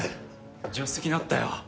助手席にあったよ。